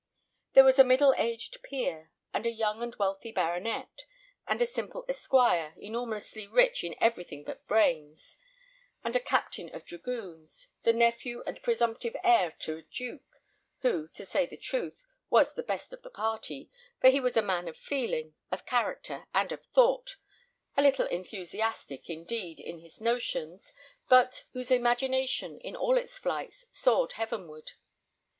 There was a middle aged peer, and a young and wealthy baronet, and a simple esquire, enormously rich in everything but brains, and a captain of dragoons, the nephew and presumptive heir to a duke, who, to say the truth, was the best of the party, for he was a man of feeling, of character, and of thought, a little enthusiastic, indeed, in his notions, but whose imagination, in all its flights, soared heavenward.